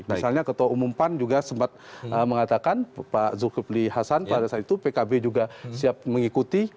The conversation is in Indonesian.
misalnya ketua umum pan juga sempat mengatakan pak zulkifli hasan pada saat itu pkb juga siap mengikuti